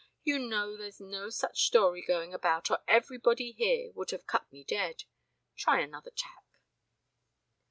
You know there's no such story going about or everybody here would have cut me dead. Try another tack."